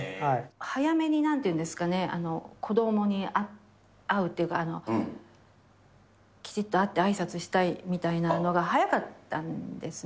早めに、なんていうんですかね、子どもに会うっていうか、きちっと会ってあいさつしたいみたいなのが早かったんですね。